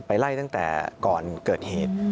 ไล่ตั้งแต่ก่อนเกิดเหตุ